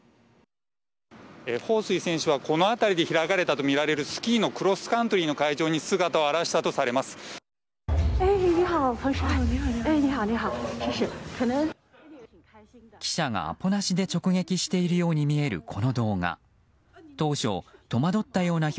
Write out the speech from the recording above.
ホウ・スイ選手はこの辺りで開かれたとみられるスキーのクロスカントリーの会場に姿を現したとされます。